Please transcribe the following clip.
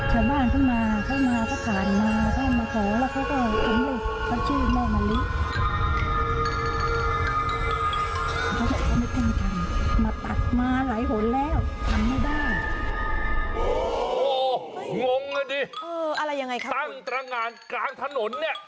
โห้งงอ่ะดิตั้งตรงานกลางถนนเนี่ย